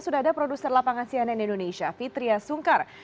sudah ada produser lapangan sianen indonesia fitria sungkar